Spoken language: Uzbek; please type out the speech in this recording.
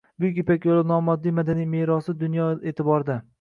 Buyuk Ipak yo‘li nomoddiy madaniy merosi dunyo e’tiboridang